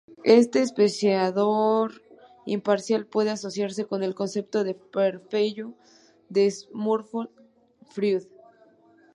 Este espectador imparcial puede asociarse al concepto de superyó, de Sigmund Freud.